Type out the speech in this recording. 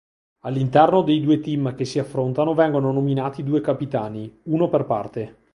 All'interno dei due team che si affrontano vengono nominati due capitani, uno per parte.